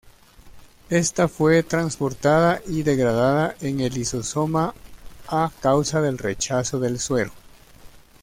Ésta fue transportada y degradada en el lisosoma, a causa del rechazo del suero.